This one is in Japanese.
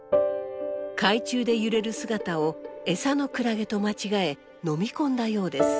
海中で揺れる姿をエサのクラゲと間違え飲み込んだようです。